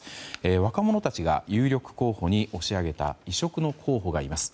若者たちが有力候補に押し上げた異色の候補がいます。